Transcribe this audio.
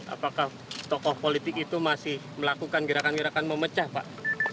apakah tokoh politik itu masih melakukan gerakan gerakan memecah pak